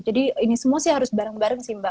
ini semua sih harus bareng bareng sih mbak